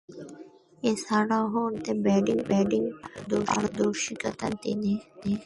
এছাড়াও, ডানহাতে ব্যাটিংয়ে পারদর্শীতা দেখান তিনি।